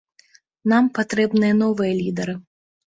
Нам патрэбныя новыя лідары.